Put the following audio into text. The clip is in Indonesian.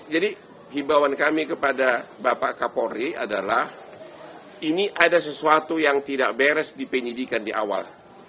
jadi himbawan kami kepada bapak kapolri adalah ini ada sesuatu yang tidak beres dipenyidikan di awal